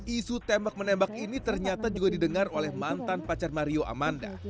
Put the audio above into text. isu tembak menembak ini ternyata juga didengar oleh mantan pacar mario amanda